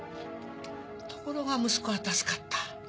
ところが息子は助かった。